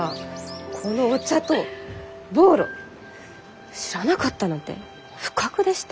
このお茶とボーロ知らなかったなんて不覚でしたよ。